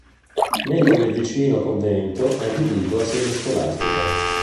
Mentre il vicino convento è adibito a sede scolastica.